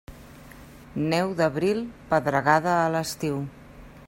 Neu d'abril, pedregada a l'estiu.